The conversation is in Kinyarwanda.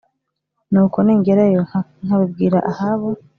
Nuko ningerayo nkabibwira Ahabu